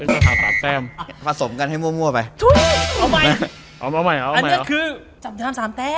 เอ็กซ่าตามสามแต้มผสมกันให้มั่วไปทุ้ยเอาใหม่เอาใหม่เอาใหม่อันนี้คือจับยามสามแต้ม